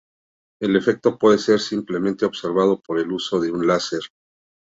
El efecto puede ser simplemente observado por el uso de un láser.